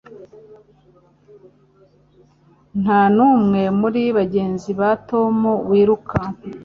Nta n'umwe muri bagenzi ba Tom, wiruka